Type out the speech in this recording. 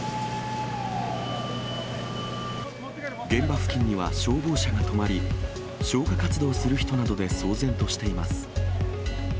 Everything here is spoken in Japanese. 現場付近には消防車が止まり、消火活動する人などで騒然としています。